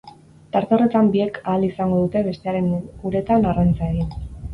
Tarte horretan, biek ahal izango dute bestearen uretan arrantza egin.